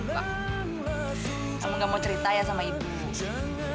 kamu gak mau cerita ya sama ibu